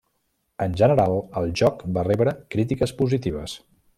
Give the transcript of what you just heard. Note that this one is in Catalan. En general el joc va rebre crítiques positives.